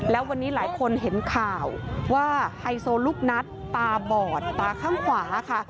แล้ววันนี้หลายคนเห็นข่าวว่าไฮโซลูกนัดตาบอดตาข้างขวาค่ะ